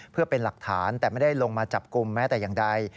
เพื่อเป็นหลักฐานแต่ไม่ได้ลงมาจับกลุ่มแม้แต่อย่างใด